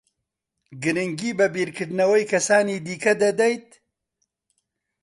گرنگی بە بیرکردنەوەی کەسانی دیکە دەدەیت؟